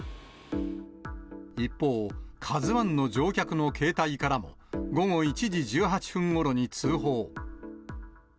一方、ＫＡＺＵＩの乗客の携帯からも、午後１時１８分ごろに通報。